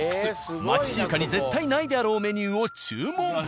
町中華に絶対ないであろうメニューを注文。